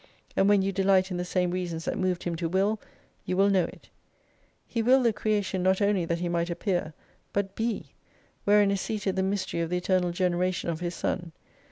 And when you delight in the same reasons that moved Him to will, you will know it. He willed the Creation not only that He might Appear but Be : wherein is seated the mystery of the Eternal Generation of His Son.